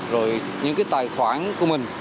rồi những cái tài khoản của mình